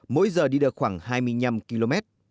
mỗi giờ đi được khoảng hai mươi năm km